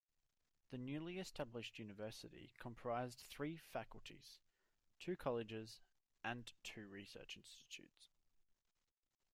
The newly established university comprised three faculties, two colleges, and two research institutes.